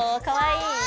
かわいい！